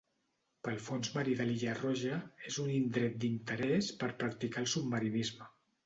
Pel fons marí de l'illa Roja, és un indret d'interès per practicar el submarinisme.